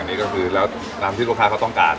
นี่ก็คือแล้วตามที่ลูกค้าเขาต้องการ